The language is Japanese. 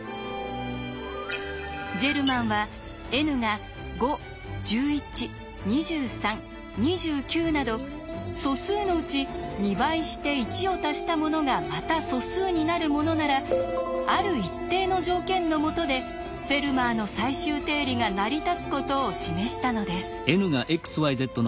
ジェルマンはｎが「５１１２３２９」など素数のうち２倍して１を足したものがまた素数になるものならある一定の条件のもとで「フェルマーの最終定理」が成り立つことを示したのです。